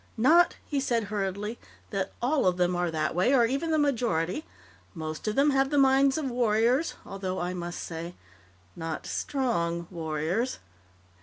"Not," he said hurriedly, "that all of them are that way or even the majority. Most of them have the minds of warriors, although, I must say, not _strong__ warriors."